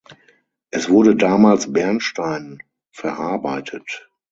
Es wurde damals Bernstein verarbeitet.